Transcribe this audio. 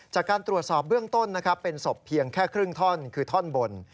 จากการตรวจสอบเบื้องต้นนะครับเป็นศพเพียงแค่ครึ่งท่อนคือท่อนบน